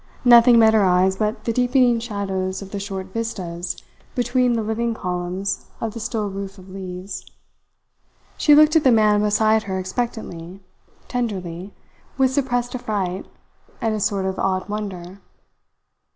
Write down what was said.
Nothing met her eyes but the deepening shadows of the short vistas between the living columns of the still roof of leaves. She looked at the man beside her expectantly, tenderly, with suppressed affright and a sort of awed wonder.